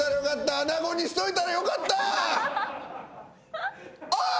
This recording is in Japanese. アナゴにしといたらよかった！